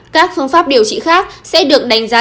các phương pháp điều trị khác sẽ được đánh giá